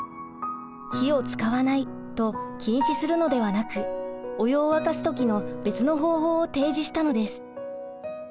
「火を使わない」と禁止するのではなくお湯を沸かす時の別の方法を提示したのです。